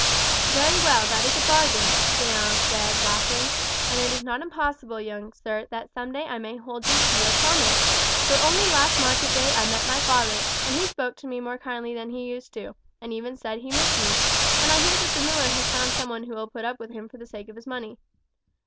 "Very well, that is a bargain," Jeanne said laughing; "and it is not impossible, young sir, that some day I may hold you to your promise, for only last market day I met my father, and he spoke more kindly to me than he used to, and even said that he missed me; and I hear that the miller has found someone who will put up with him for the sake of his money.